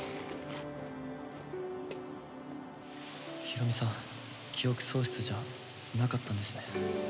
ヒロミさん記憶喪失じゃなかったんですね。